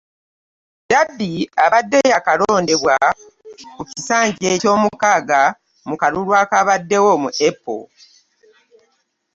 Deby abadde yaakalondebwa ku kisanja eky'omukaaga mu kalulu akaabaddewo mu April.